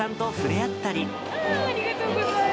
ありがとうございます。